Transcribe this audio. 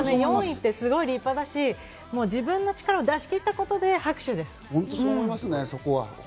４位ってすごい立派だし、自分の力を出し切ったことで拍手です。